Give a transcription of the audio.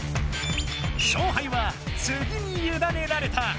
勝敗はつぎにゆだねられた。